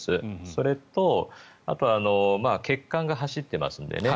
それとあとは血管が走ってますのでね